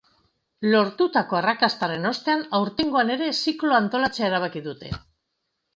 Lortutako arrakastaren ostean, aurtengoan ere zikloa antolatzea erabaki dute.